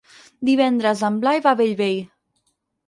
Divendres en Blai va a Bellvei.